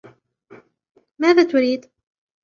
ماذا تريد؟